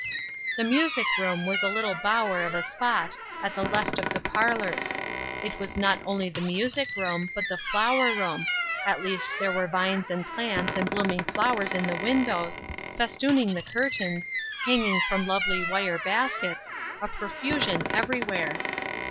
The music room was a little bower of a spot at the left of the parlors. It was not only the music room but the flower room; at least there were vines and plants and blooming flowers in the windows, festooning the curtains, hanging from lovely wire baskets, a profusion everywhere.